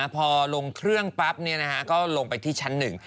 พอลงเครื่องปั๊บก็ลงไปที่ชั้นหนึ่ง